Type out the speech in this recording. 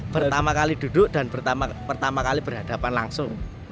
pertama kali duduk dan pertama kali berhadapan langsung